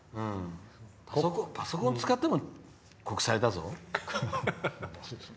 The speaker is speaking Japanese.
パソコン使っても国際だぞ。